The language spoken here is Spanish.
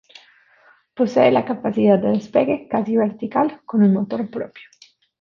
Posee la capacidad de despegue casi vertical, con un motor propio.